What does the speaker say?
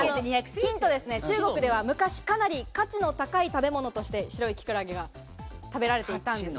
ヒントです、中国では昔かなり価値の高い食べ物として白いキクラゲが食べられていたんです。